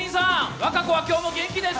和歌子は今日も元気です！